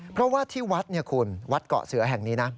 เพราะว่าที่วัดเนี่ยคุณวัดเกาะเสือแห่งนี้นะ